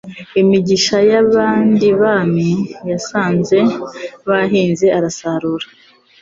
Imigisha y'abandi Bami Yasanze bahinze arasarura.